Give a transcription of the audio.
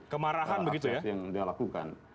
kemarahan yang dilakukan